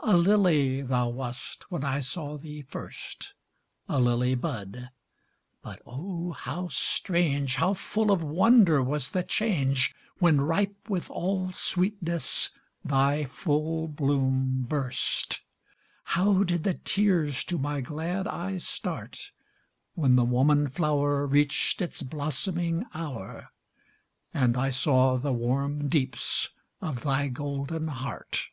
A lily thou wast when I saw thee first, A lily bud; but O, how strange, How full of wonder was the change, When, ripe with all sweetness, thy full bloom burst! How did the tears to my glad eyes start, When the woman flower Reached its blossoming hour, And I saw the warm deeps of thy golden heart!